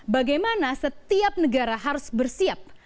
bagaimana setiap negara harus bersiap